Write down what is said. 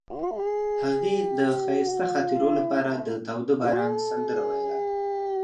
هغې د ښایسته خاطرو لپاره د تاوده باران سندره ویله.